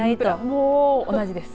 もう同じです。